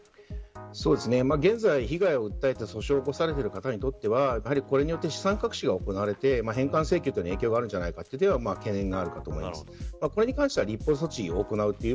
現在、被害を訴えている方にとってはこれによって資産隠しが行われて返還請求に影響があるんじゃないかという思いがあると思います。